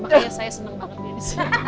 makanya saya seneng banget di sini